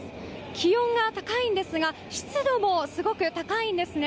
気温が高いんですが湿度もすごく高いんですね。